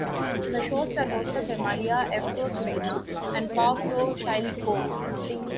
The shows were hosted by Maria Efrosinina and Pavlo Shylko.